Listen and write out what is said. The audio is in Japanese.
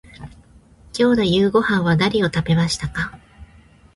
今日の夕ごはんは何を食べましたか。